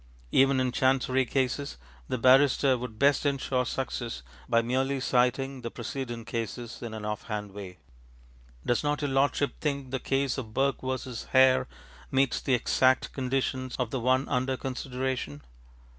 ŌĆØ Even in Chancery cases, the barrister would best insure success by merely citing the precedent cases, in an off hand way, ŌĆ£Does not your lordship think the case of Burke v. Hare meets the exact conditions of the one under consideration?